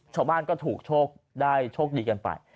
ชาวบ้านก็ถูกโชคได้โชคดีกันไป